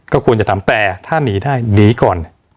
ก็ควรจะทำแต่ถ้าหนีได้หนีก่อน